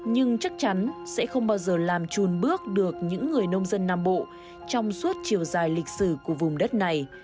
nhưng chắc chắn sẽ không bao giờ làm trùn bước được những người nông dân nam bộ trong suốt chiều dài lịch sử của vùng đất này